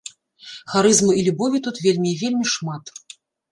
Харызмы і любові тут вельмі і вельмі шмат.